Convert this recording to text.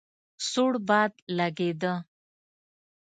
سوړ باد لګېده.